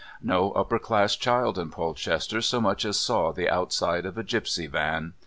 No upper class child in Polchester so much as saw the outside of a gipsy van.